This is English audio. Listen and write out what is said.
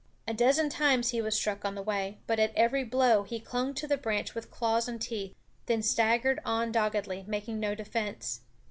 A dozen times he was struck on the way, but at every blow he clung to the branch with claws and teeth, then staggered on doggedly, making no defense.